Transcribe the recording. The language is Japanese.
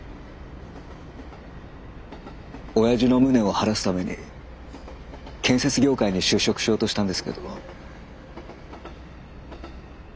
おやじの無念を晴らすために建設業界に就職しようとしたんですけど。